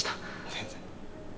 全然。